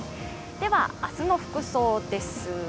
では、明日の服装です。